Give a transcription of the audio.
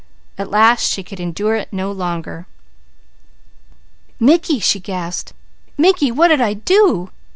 At last she could endure it no longer. "Mickey!" she gasped. "Mickey, what did I do?